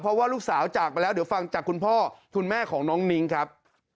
เพราะว่าลูกสาวจากไปแล้วเดี๋ยวฟังจากคุณพ่อคุณแม่ของน้องนิ้งครับ